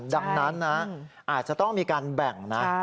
ดังนั้นนะอาจจะต้องมีการแบ่งนะ